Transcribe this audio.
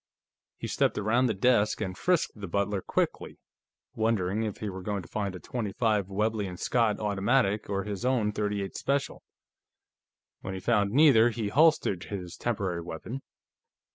He stepped around the desk and frisked the butler quickly, wondering if he were going to find a .25 Webley & Scott automatic or his own .38 Special. When he found neither, he holstered his temporary weapon.